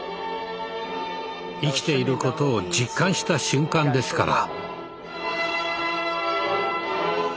生きていることを実感した瞬間ですから。